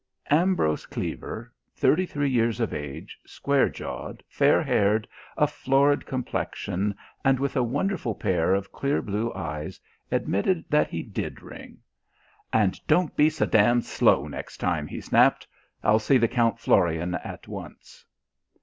Ambrose Cleaver, thirty three years of age, square jawed, fair haired, a florid complexion and with a wonderful pair of clear blue eyes, admitted that he did ring. "And don't be so d d slow next time," he snapped. "I'll see the Count Florian at once."